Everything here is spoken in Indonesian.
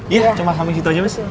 iya cuma samping situ aja mas